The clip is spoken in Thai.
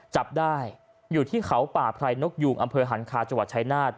จับได้อยู่ที่เขาป่าไพรนกยูงอำเภอหันคาจังหวัดชายนาฏ